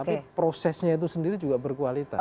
tapi prosesnya itu sendiri juga berkualitas